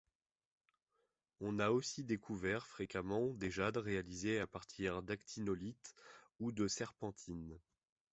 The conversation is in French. On a aussi découvert fréquemment des jades réalisés à partir d’actinolite ou de serpentine.